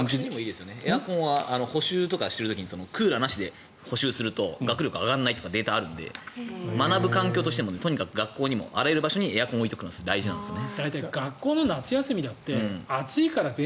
エアコンは補習とかしている時にクーラーなしで補習すると学力が上がらないとかデータがあるので学ぶ環境としても各学校とかにもあらゆる場所にエアコンを置いておくのがいいんですよね。